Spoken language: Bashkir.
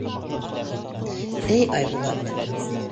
— Эй, Айбулат.